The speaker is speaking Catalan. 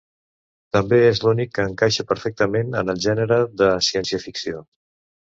També és l'únic que encaixa perfectament en el gènere de ciència-ficció.